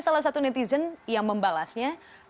salah satu netizen yang membalasnya